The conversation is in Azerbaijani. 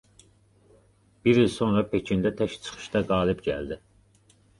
Bir il sonra Pekində tək çıxışda qalib gəldi.